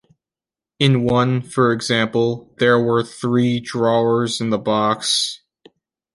In one, for example, there were three drawers in the box.